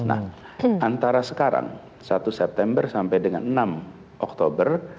nah antara sekarang satu september sampai dengan enam oktober